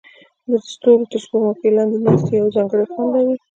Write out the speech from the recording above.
د ستورو تر سپوږمۍ لاندې ناستې یو ځانګړی خوند لري.